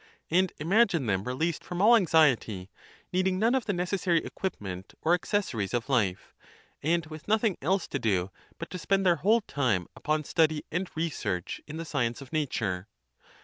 xiK Kx imagine them released from ali anxiety, needing none of the necessary equipment or accessories of life, and with nothing else to do but to spend their whole time upon study and research in the science of nature.